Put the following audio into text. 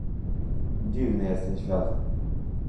Dziwny jest ten świat